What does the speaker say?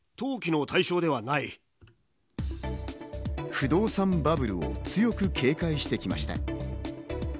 不動産バブルを強く警戒してきました。